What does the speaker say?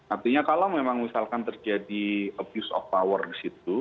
artinya kalau memang misalkan terjadi abuse of power di situ